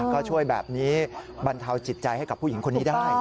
ก็ช่วยแบบนี้บรรเทาจิตใจให้กับผู้หญิงคนนี้ได้